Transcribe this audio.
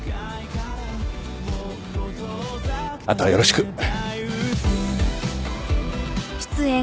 あとはよろしく。